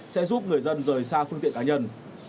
sẽ giúp người dân rời xa phương tiện cá nhân